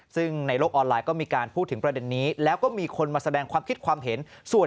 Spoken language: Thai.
ซึ่งในโลกออนไลน์ก็มีการพูดถึงประเด็นนี้แล้วก็มีคนมาแสดงความคิดความเห็นส่วน